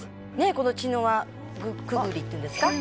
この茅の輪くぐりっていうんですか？」